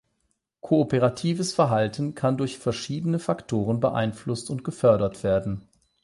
Kooperatives Verhalten kann durch verschiedene Faktoren beeinflusst und gefördert werden.